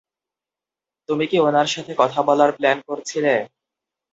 তুমি কি উনার সাথে কথা বলার প্ল্যান করছিলে?